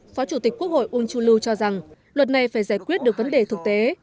phó chủ tịch quốc hội unchulu cho rằng luật này phải giải quyết được vấn đề thực tế